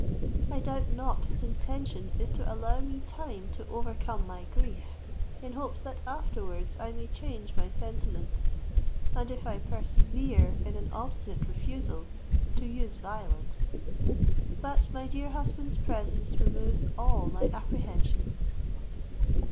I doubt not his intention is to allow me time to overcome my grief, in hopes that afterwards I may change my sentiments; and if I persevere in an obstinate refusal, to use violence. But my dear husband's presence removes all my apprehensions."